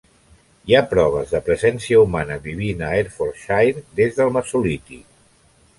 Hi ha proves de presència humana vivint a Hertfordshire des del mesolític.